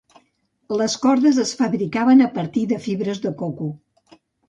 Les cordes es fabricaven a partir de fibres de coco.